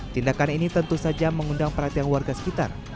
tindakan ini tentu saja mengundang perhatian warga sekitar